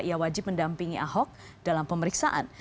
ia wajib mendampingi ahok dalam pemeriksaan